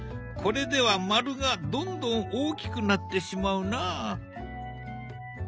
これでは丸がどんどん大きくなってしまうな。